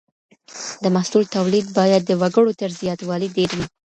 د محصول توليد بايد د وګړو تر زياتوالي ډېر وي.